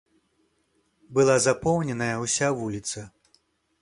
Была запоўненая ўся вуліца.